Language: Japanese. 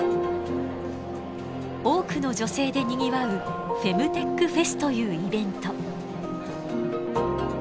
多くの女性でにぎわうフェムテックフェスというイベント。